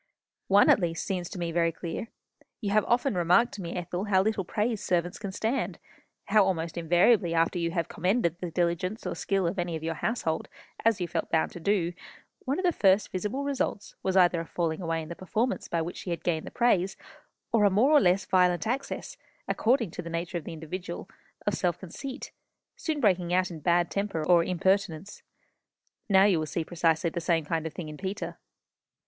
"One, at least, seems to me very clear. You have often remarked to me, Ethel, how little praise servants can stand; how almost invariably after you have commended the diligence or skill of any of your household, as you felt bound to do, one of the first visible results was either a falling away in the performance by which she had gained the praise, or a more or less violent access, according to the nature of the individual, of self conceit, soon breaking out in bad temper or impertinence. Now you will see precisely the same kind of thing in Peter."